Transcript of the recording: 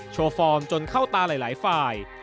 ฟอร์มจนเข้าตาหลายฝ่าย